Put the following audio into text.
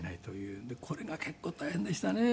これが結構大変でしたね。